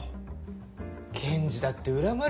検事だって恨まれますよ。